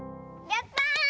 やった！